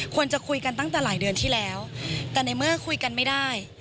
ควรจะคุยกันตั้งแต่หลายเดือนที่แล้วแต่ในเมื่อคุยกันไม่ได้